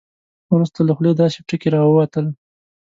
وروسته له خولې داسې ټکي راووتل.